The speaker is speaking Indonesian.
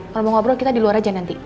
kalau mau ngobrol kita di luar aja nanti